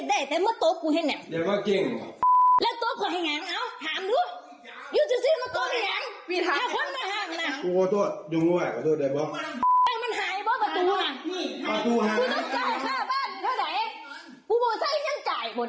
บ้านหลังนี้พี่ทอมดูว่ามันใครได้รึไง